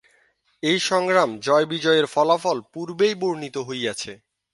এ সংগ্রামে জয়বিজয়ের ফলাফল পূর্বেই বর্ণিত হইয়াছে।